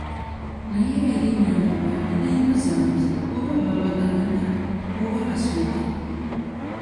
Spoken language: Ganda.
Naye erinnya Mbabaali limbuzaabuza oba baba Baganda oba Basoga?